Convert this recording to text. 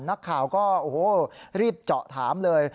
นักข่าวก็รีบเจาะถามเลย